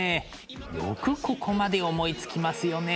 よくここまで思いつきますよね。